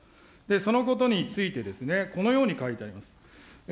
そのことについて、このように書いてあります。